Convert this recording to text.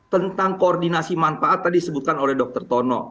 tentang koordinasi manfaat tadi disebutkan oleh dr tono